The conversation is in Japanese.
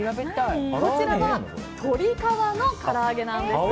こちらは鶏皮のからあげなんです。